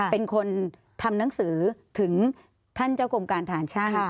เป็นคนทำหนังสือถึงท่านเจ้ากรมการฐานช่าง